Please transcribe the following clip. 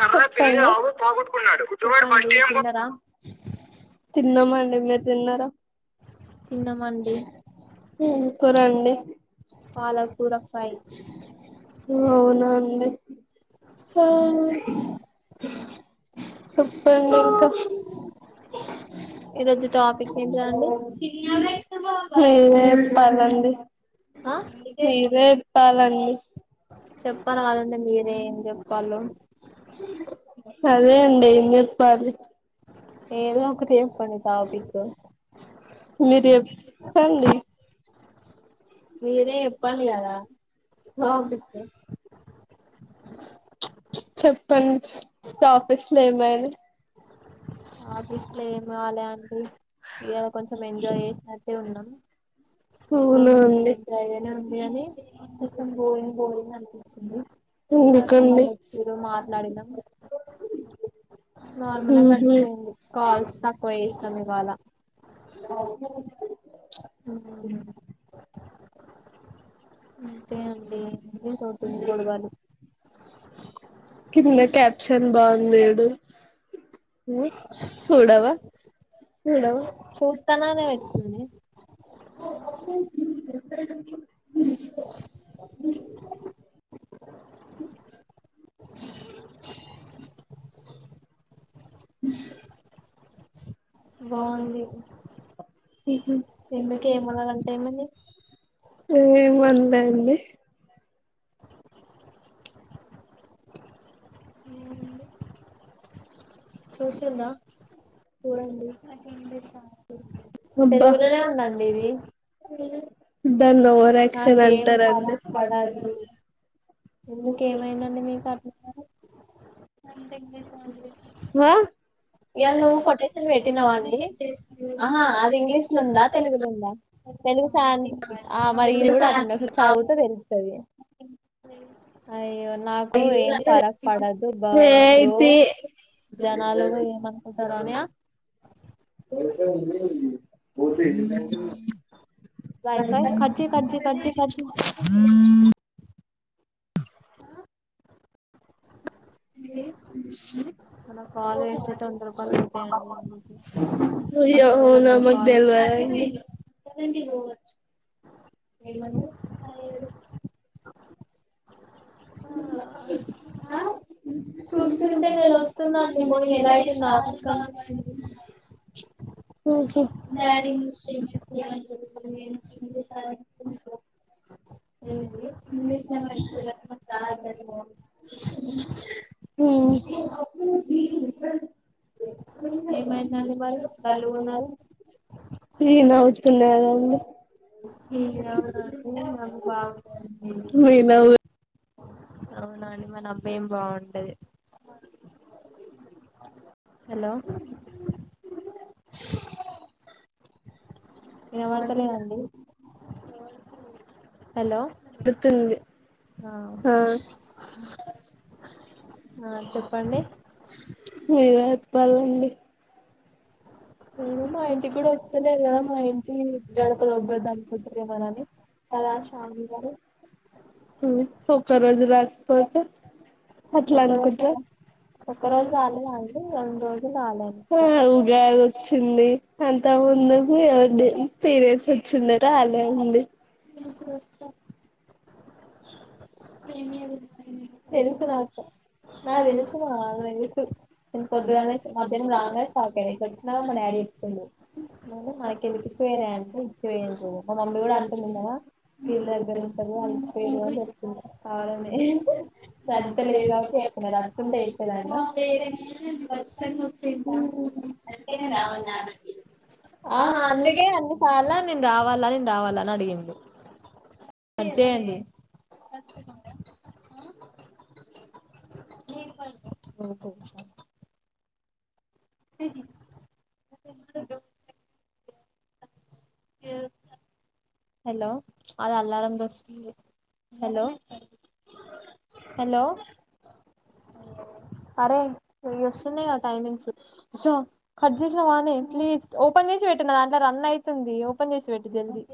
కబగట్టుకున్నాడు బస్ తి [unintelligible] మీరు తిన్నారా తిన్నమండి ఏం కూరండి ాల అవునా చెప్పకా ఏ బాగుంది ఇ ఇదే పాల [inaudible] చెప్పారాదండి మీరే ఏం చెప్ప అ అదే అండి నేర్పాలి ఏ ఏదో ఒక టే పడి టాపిిక్ మీరు చెప్పండి మీరే చెప్పండి కదా చెప్పండి [unintelligible] ఏమై ఆ ఇస్లో ఏమి కాలే అండి ఇయ్యాల కొంచెం ఎంజాయ్ చేసినట్టే ఉన్నాం అ కొంచెం ఎంజాయ్ గానే ఉంది కానీ కొంచెం బోరింగ్ బోరింగ్ అనిపించింది కస్టమర్లు వచ్చరు మాట్లాడినాం నార్మల్ గా గడిచిపోయింది కాల్స్ తక్కువయ్యా ఇష్టం ఇవాళ కింద క్యాప్షన్ బాగుంది చూడు [inaudible] చూడవా హలో చూస్తాననే పెట్టుకుంది [inaudible] [inaudible] ని బడి ఎ ఏమనులే అండి ఉ చూసిండ్రా చూడండి తెలుగులోనే ఉందండి ఇది దాన్ని ఓవరాక్షన్ అంటారండి ఎందుకేమైందండి మీకు అ అ ఇవాళ నువ్వు కొటేషన్ పెట్టినావ అండి ఆహా అది ఇంగ్లీష్ ల ఉందా తెలుగుల ఉందా తెలు [unintelligible] ఆ మరి ఇది కూడా అట్లనే చా ఉంచ్ ఆయితే తెలుస్ సరే అయ్యో ఏ తియ్ అయ్యో అమ్మకు తెలవదు ఏమనవ్ చ లేదు ఆ చూస్తుంటే నేన్ ఒస్తున్న ఎలా ఇష్టా వస్తాను వ డాడీ మిస్ చె [unintelligible] స [inaudible] ఏంటి హ్మ్ ఇ సర్ ఇ నవ్వు తున్నారు కదండీ ఇ అవునండి నాకు బాగుంటదండి మీ అవునాండి మన [unintelligible] బావుంటది హలో ఇనపడతలేదండి హలో ఆ ఆ చెప్పండి పదండి నేను మా ఇంటికి కూడా వస్తలేదు కదా మా ఇంటి గడప దొగ్గదు అనుకుంటార్ర ఏమోనని కదా షామిలి గారు ఒక్కరోజు రాకపోతే అట్లా అనుకుట్ర ఆ ఉగాది వచ్చింది అంత ముందుకు ఎ పీరియడ్స్ వచ్చింద రాలే అండి సల్ మీ [inaudible] తెలుసు నాకు నాకు తెలుసు మా తెలుసు నేను పొద్దుగాలనే మధ్యాహ్నం రాంగానే స్టార్ట్ ఇ వచ్చినాక మా డాడీ చెప్తుండడు మనకు ఎందుకు ఇచ్చివేరా అంటే ఇచ్చివేయం చ మా మమ్మీ కూడా అంటుందిన్నగా వీళ్ళ దగ్గర ఉంటంది వాళ్ళు ఇచ్చే యరు అని చెప్ అవునండి [unintelligible] ఆ అందుకే అని చాలా నేను రావాలా నేను రావాలా అని అడిగింది వచ్చేయండి ఆ [unintelligible] ఇ హలో అద అలారం వస్తుంది హలో హలో అరేయ్ వస్తున్నాయి టైమింగ్స్ సో కట్ చేసా వానే ప్లీజ్ ఓపెన్ చేసి పెట్టు నా దాంట్లో రన్ అయితాంది ఓపెన్ చేసి పెట్టు జల్ది